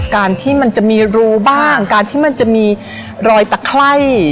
การที่มันจะมีรูบ้างการที่มันจะมีรอยตะไคร้